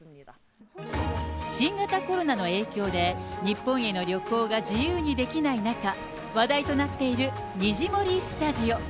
新型コロナの影響で、日本への旅行が自由にできない中、話題となっているにじもりスタジオ。